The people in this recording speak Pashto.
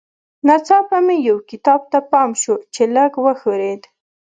ناڅاپه مې یو کتاب ته پام شو چې لږ وښورېد